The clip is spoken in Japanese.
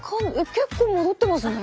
結構戻ってますね。